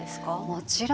もちろん。